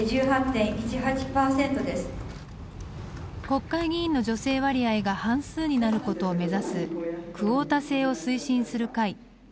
国会議員の女性割合が半数になることを目指すクオータ制を推進する会Ｑの会の集会です。